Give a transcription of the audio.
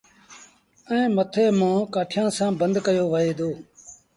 ائيٚݩ مٿي منهن ڪآٺيٚآن سآݩ بند ڪيو وهي دو۔